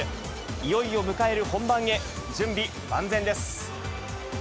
いよいよ迎える本番へ、準備万全です。